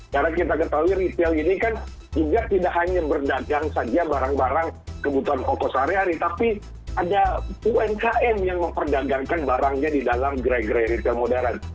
karena kita ketahui retail ini kan juga tidak hanya berdagang saja barang barang kebutuhan pokok sehari hari tapi ada umkm yang memperdagangkan barangnya di dalam gregre retail modern